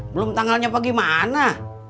belum tanggalnya apa gimana